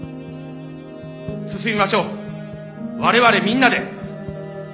進みましょう我々みんなで。